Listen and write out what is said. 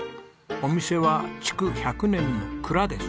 お店は築１００年の蔵です。